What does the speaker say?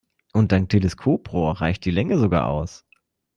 Und dank Teleskoprohr reicht die Länge sogar aus.